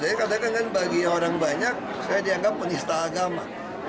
jadi kadang kadang kan bagi orang banyak saya dianggap penista agama